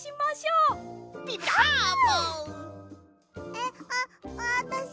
えっあっあたし。